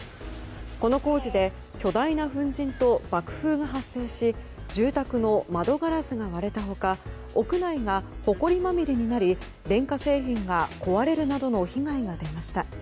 この工事で巨大な粉じんと爆風が発生し住宅の窓ガラスが割れた他屋内がほこりまみれになり電化製品が壊れるなどの被害が出ました。